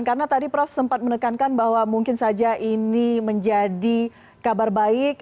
karena tadi prof sempat menekankan bahwa mungkin saja ini menjadi kabar baik